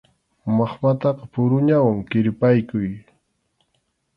Maqmataqa puruñawan kirpaykuy.